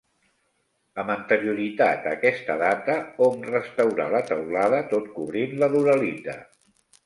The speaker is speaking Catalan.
Amb anterioritat a aquest data, hom restaurà la teulada tot cobrint-la d'uralita.